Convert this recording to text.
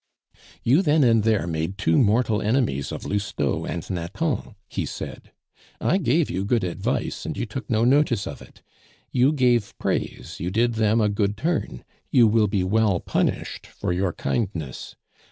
"You then and there made two mortal enemies of Lousteau and Nathan," he said. "I gave you good advice, and you took no notice of it. You gave praise, you did them a good turn you will be well punished for your kindness.